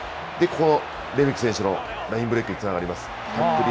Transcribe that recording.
で、ここのレメキ選手のラインブレイクにつながります。